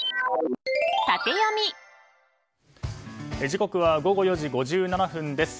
時刻は午後４時５７分です。